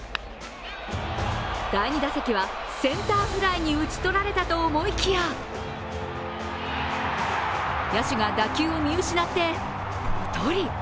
第２打席はセンターフライに打ち取られたと思いきや、野手が打球を見失ってポトリ。